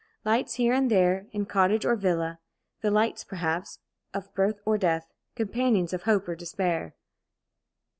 Lights here and there, in cottage or villa the lights, perhaps, of birth or death companions of hope or despair.